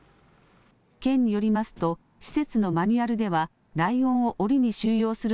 県によりますと施設のマニュアルではライオンをおりに収容する